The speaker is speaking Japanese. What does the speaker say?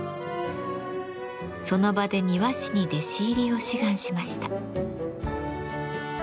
その場で庭師に弟子入りを志願しました。